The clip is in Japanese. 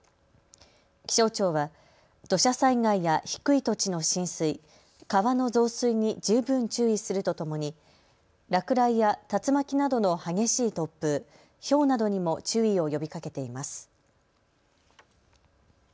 気象庁は土砂災害や低い土地の浸水、川の増水に十分注意するとともに落雷や竜巻などの激しい突風、ひょうなどにも注意を呼びかけています。